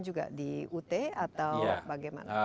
juga di ut atau bagaimana